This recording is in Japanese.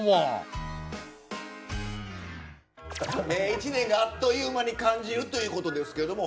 １年があっという間に感じるということですけども。